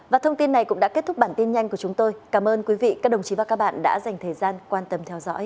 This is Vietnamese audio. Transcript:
và thông tin này cũng đã kết thúc bản tin nhanh của chúng tôi cảm ơn quý vị các đồng chí và các bạn đã dành thời gian quan tâm theo dõi